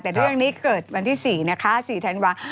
แต่เรื่องนี้เกิดวันที่๔ธันวาท